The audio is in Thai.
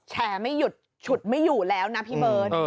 ไม่หยุดฉุดไม่อยู่แล้วนะพี่เบิร์ต